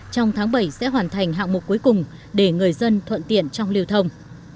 trong tháng bảy sẽ hoàn thành hạng mục cuối cùng để người dân thuận tiện trong lưu thông